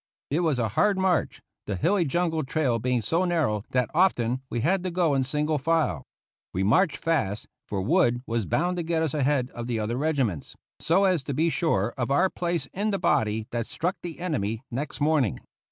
It was a hard march, the hilly jungle trail being so narrow that often we had to go in single file. We marched fast, for Wood was bound to get us ahead of the other regiments, so as to be sure of our place in the body that struck the enemy next morning.